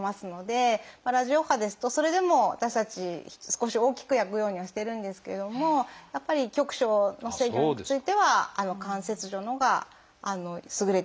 ラジオ波ですとそれでも私たち少し大きく焼くようにはしてるんですけどもやっぱり局所の制御については肝切除のほうが優れているっていうことはありますね。